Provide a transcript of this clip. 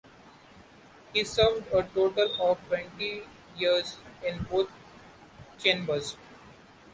He served a total of twenty years in both chanbers.